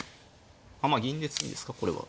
まあ銀で詰みですかこれは。